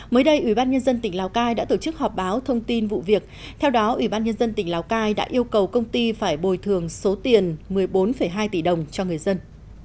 mới đây ủy ban nhân dân tỉnh lào cai đã tổ chức họp báo thông tin vụ việc theo đó ủy ban nhân dân tỉnh lào cai đã yêu cầu công ty phải bồi thường số tiền một mươi bốn hai tỷ đồng cho người dân